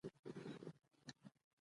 سیاسي جوړښت د ټولنې اړتیاوې منعکسوي